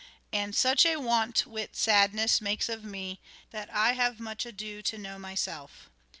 And such a want wit sadness makes of me That I have much ado to know myself."